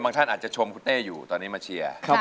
ท่านอาจจะชมคุณเต้อยู่ตอนนี้มาเชียร์